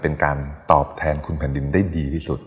เป็นการตอบแทนคุณแผ่นดินได้ดีที่สุด